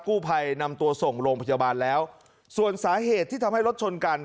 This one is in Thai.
กู้ภัยนำตัวส่งโรงพยาบาลแล้วส่วนสาเหตุที่ทำให้รถชนกัน